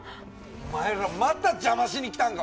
お前ら！また邪魔しに来たんか！